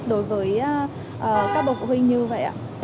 đối với các bậc phụ huynh như vậy ạ